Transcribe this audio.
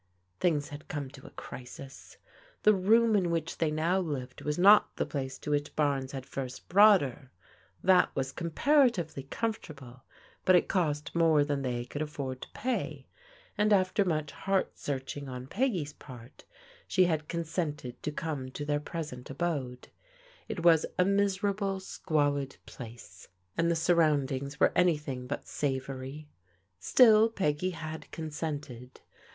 Things had come to a crisis. The room in which they now lived was not the place to which Barnes had first brought her. That was comparatively comfortable, but it cost more than they could afford to pay, and after much heart searchmg on Pe^^ s ^^xx., ^^>mA ^^T^%<w\ted to come to their present ^Soodkfc \\. ^^'s^ ^ \s»s«x:;8^fcx PEGGY'S ROMANCE FADES 259 squalid place, and the surroundings were anything but savoury. Still, Peggy had consented.